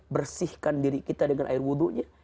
bersihkan diri kita dengan air wudhunya